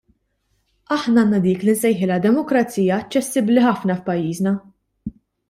Aħna għandna dik li nsejħilha demokrazija aċċessibbli ħafna f'pajjiżna.